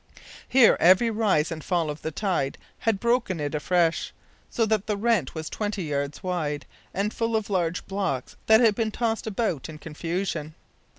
Here every rise and fall of the tide had broken it afresh, so that the rent was twenty yards wide, and full of large blocks that had been tossed about in confusion.